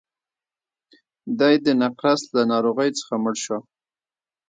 دی د نقرس له ناروغۍ څخه مړ شو.